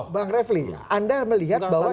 bang revli anda melihat bahwa itu